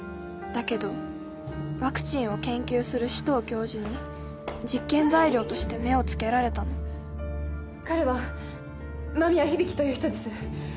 だけどワクチンを研究する首藤教授に実験材料として目を付けられたの彼は間宮響という人です。